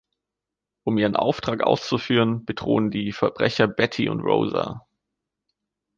Um ihren Auftrag auszuführen, bedrohen die Verbrecher Betty und Rosa.